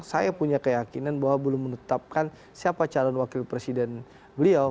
saya punya keyakinan bahwa belum menetapkan siapa calon wakil presiden beliau